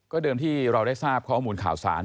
เดิมที่เราได้ทราบข้อมูลข่าวสาร